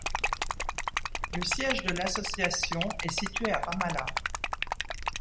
Le siège de l’association est situé à Ramallah.